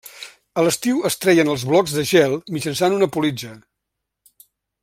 A l'estiu es treien els blocs de gel mitjançant una politja.